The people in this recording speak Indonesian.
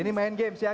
ini main games ya